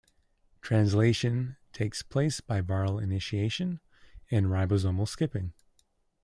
Translation takes place by viral initiation, and ribosomal skipping.